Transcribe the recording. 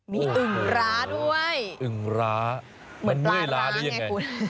มีอึงล้าด้วยอึงล้ามันเมื่อยล้าได้ยังไง